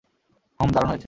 হুম, দারুণ হয়েছে।